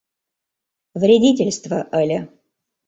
Вредительство ыле...